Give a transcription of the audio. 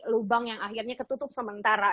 lubang yang akhirnya ketutup sementara